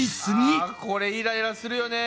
あこれイライラするよね。